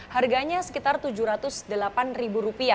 harganya sekitar rp tujuh ratus delapan